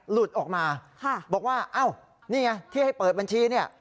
หลุดออกมาบอกว่าอ้าวนี่ไงที่ให้เปิดบัญชีเนี่ย